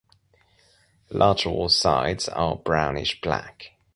Lateral sides are brownish black.